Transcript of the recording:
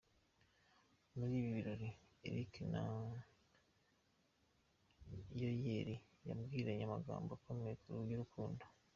Muri ibi birori, Eric na Yayeli babwiranye amagambo akomeye y’urukundo.